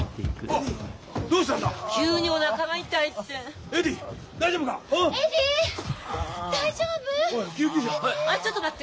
あっちょっと待って。